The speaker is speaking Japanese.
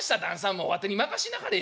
もうわてに任しなはれや」。